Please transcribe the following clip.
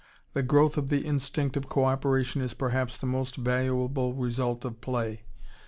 The growth of the instinct of co operation is perhaps the most valuable result of play....